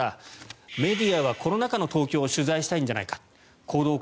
メディアはコロナ禍の東京を取材したいんじゃないか。